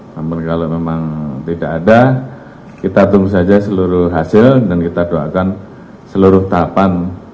namun kalau memang tidak ada kita tunggu saja seluruh hasil dan kita doakan seluruh tahapan